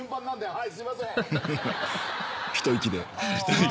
はい。